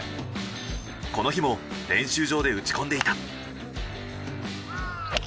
この日も練習場で打ち込んでいた。